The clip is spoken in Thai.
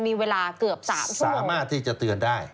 มีเวลาเกือบ๓ชั่วโมงสามารถที่จะเตือนได้